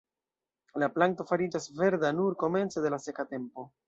La planto fariĝas verda nur komence de la seka tempo.